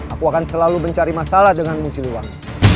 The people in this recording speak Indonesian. aku akan selalu mencari masalah denganmu siluwang